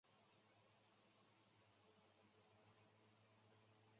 波多利斯克步兵学校位于苏联莫斯科州波多利斯克。